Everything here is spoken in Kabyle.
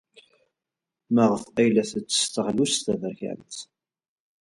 Maɣef ay la tettess taɣlust taberkant?